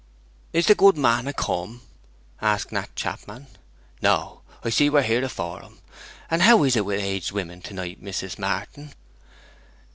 'Is the good man come?' asked Nat Chapman. 'No, I see we be here afore him. And how is it with aged women to night, Mrs. Martin?'